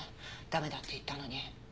駄目だって言ったのに。